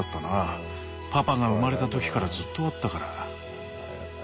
パパが生まれた時からずっとあったから。